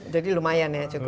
jadi lumayan ya cukup signifikan